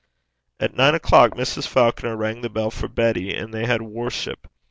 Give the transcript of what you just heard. At nine o'clock, Mrs. Falconer rang the bell for Betty, and they had worship.